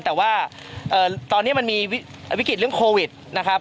แต่ว่าตอนนี้มันมีวิกฤตเรื่องโควิดนะครับ